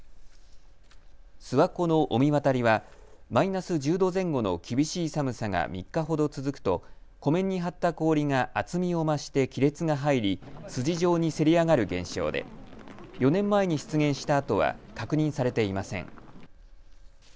諏訪湖の御神渡りはマイナス１０度前後の厳しい寒さが３日ほど続くと湖面に張った氷が厚みを増して亀裂が入り筋状にせり上がる現象で４年前に出現したあとは確認されていません。